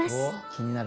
気になる。